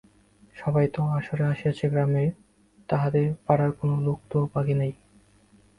সবাই তো আসরে আসিয়াছে গ্রামের, তাহদের পাড়ার কোনও লোক তো বাকি নাই!